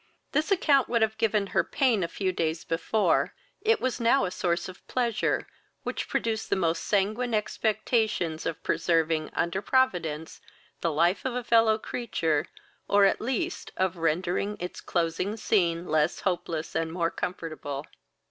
This account would have given her paid a few days before; it was now a source of pleasure, which produced the most sanguine expectations of preserving, under Providence, the life of a fellow creature, or, at least, of rendering its closing scene less hopeless and more comfortable.